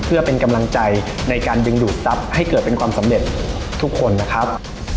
เพื่อเป็นกำลังใจในการดึงดูดทรัพย์ให้เกิดเป็นความสำเร็จทุกคนนะครับ